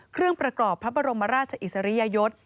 เครื่องประกอบพระบรมราชอิสริยยศ